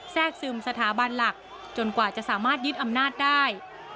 แทรกซึมสถาบันหลักจนกว่าจะสามารถยึดอำนาจได้